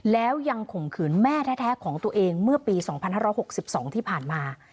แล้วยังข่มขืนแม่แท้ของตัวเองเมื่อปี๒๕๖๒ที่ผ่านมา